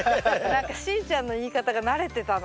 何かしーちゃんの言い方が慣れてたな。